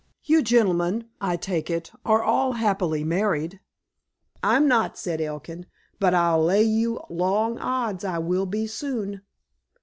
You gentlemen, I take it, are all happily married—" "I'm not," said Elkin, "but I'll lay you long odds I will be soon."